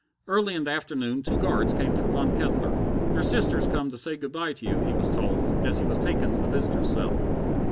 Early in the afternoon two guards came for Von Kettler. "Your sister's come to say good by to you," he was told, as he was taken to the visitors' cell.